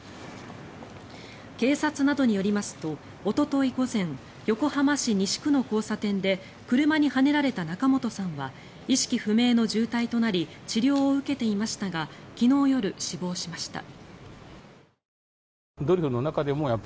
警察などによりますとおととい午前横浜市西区の交差点で車にはねられた仲本さんは意識不明の重体となり治療を受けていましたが昨日夜、死亡しました。